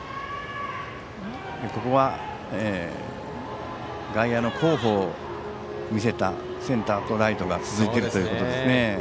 ここは外野の好捕を見せたセンターとライトが続いているということですね。